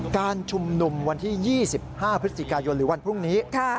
การชุมนุมวันที่๒๕พฤศจิกายนหรือวันพรุ่งนี้